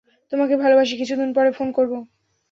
তোমাকে ভালবাসি, কিছুদিন পরে ফোন করব।